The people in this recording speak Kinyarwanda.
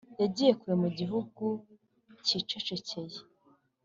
yagiye kure mu gihugu cyicecekeye;